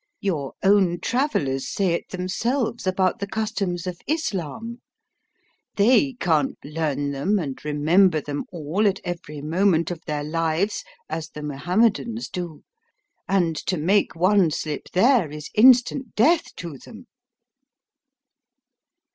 Your own travellers say it themselves about the customs of Islam. They can't learn them and remember them all at every moment of their lives, as the Mohammedans do; and to make one slip there is instant death to them."